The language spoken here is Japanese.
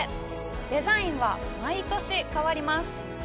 デザインは毎年変わります。